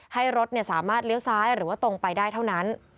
ให้รถสามารถเลี้ยวซ้ายหรือว่าตรงไปได้เท่านั้น